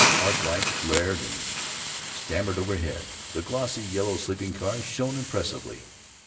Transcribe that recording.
Arc lights glared and stammered overhead. The glossy yellow sleeping cars shone impressively.